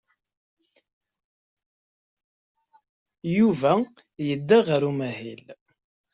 Yuba yedda ɣer umahil.